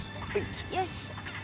よし。